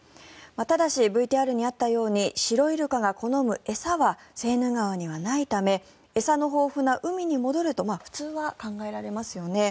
ただし、ＶＴＲにもあったようにシロイルカが好む餌はセーヌ川にはないため餌の豊富な海に戻ると普通は考えられますよね。